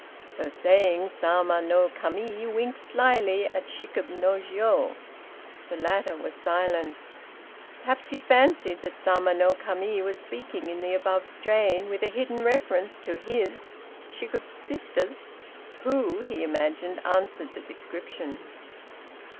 So saying, Sama no Kami winked slyly at Shikib no Jiô. The latter was silent: perhaps he fancied that Sama no Kami was speaking in the above strain, with a hidden reference to his (Shikib's) sisters, who, he imagined, answered the description.